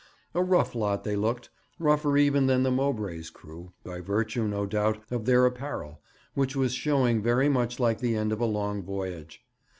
A rough lot they looked rougher even than the Mowbray's crew, by virtue, no doubt, of their apparel, which was showing very much like the end of a long voyage.